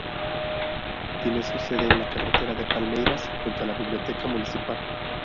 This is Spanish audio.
Tiene su sede en la carretera de Palmeiras junto a la biblioteca municipal.